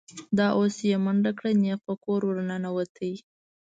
دا اوس یې منډه کړه، نېغ په کور ور ننوت.